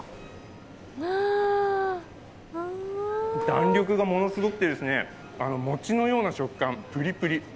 弾力がものすごくて、餅のような食感、プリプリ。